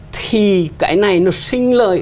thì cái này nó sinh lời